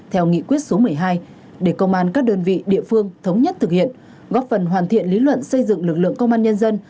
theo nghị quyết số một mươi hai để công an các đơn vị địa phương thống nhất thực hiện góp phần hoàn thiện lý luận xây dựng lực lượng công an nhân dân